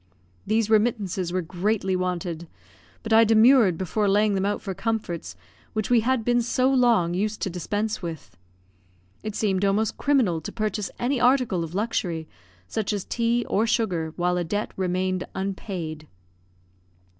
These remittances were greatly wanted; but I demurred before laying them out for comforts which we had been so long used to dispense with. It seemed almost criminal to purchase any article of luxury, such as tea or sugar, while a debt remained unpaid.